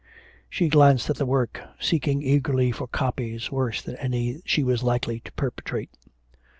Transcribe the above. She glanced at the work, seeking eagerly for copies, worse than any she was likely to perpetrate.